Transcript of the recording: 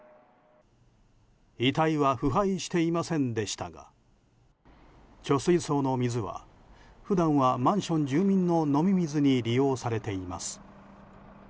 遺体は腐敗していませんでしたが貯水槽の水は普段はマンション住民の飲み水に利用されています。